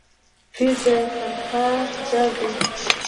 پير د خانقاه تجار دی.